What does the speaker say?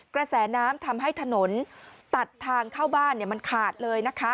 กระแสน้ำทำให้ถนนตัดทางเข้าบ้านมันขาดเลยนะคะ